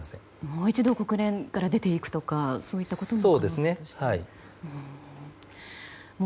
もう一度国連から出て行くとかそういったことも可能性としては。